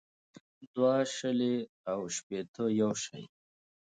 دوه شلې او ښپيته يو شٸ دى